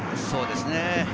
そうですね。